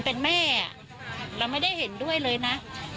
เป็นแม่เราไม่ได้เห็นด้วยเลยนะ